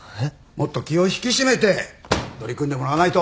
もっと気を引き締めて取り組んでもらわないと。